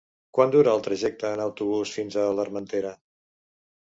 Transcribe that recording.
Quant dura el trajecte en autobús fins a l'Armentera?